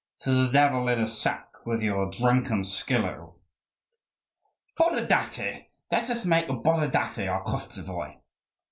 To the devil in a sack with your drunken Schilo!" "Borodaty! let us make Borodaty our Koschevoi!"